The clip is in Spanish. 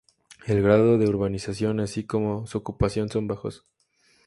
El grado de urbanización así como su ocupación son bajos.